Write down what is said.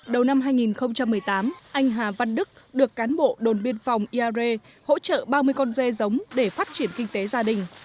đầu năm hai nghìn một mươi tám anh hà văn đức được cán bộ đồn biên phòng iare hỗ trợ ba mươi con dê giống để phát triển kinh tế gia đình